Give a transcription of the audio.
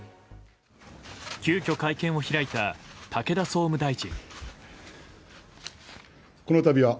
急きょ会見を開いた武田総務大臣。